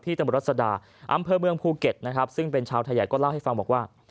ที่ตะบุรัสดาอำเภอเมืองภูเก็ตซึ่งเป็นชาวไทยใหญ่ก็เล่าให้ฟังบอกว่า